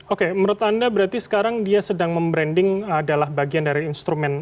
oke menurut anda berarti sekarang dia sedang membranding adalah bagian dari instrumen